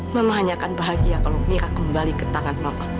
mama hanya akan bahagia kalau mira kembali ke tangan mama